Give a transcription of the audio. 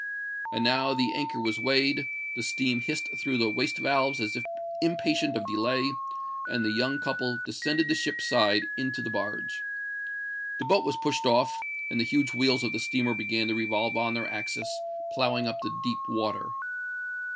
And now the anchor was weighed; the steam hissed through the waste valves as if impatient of delay; and the young couple descended the ship's side into the barge. The boat was pushed off—and the huge wheels of the steamer began to revolve on their axis, ploughing up the deep water.